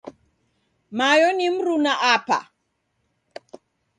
Mayo ni mruna apa.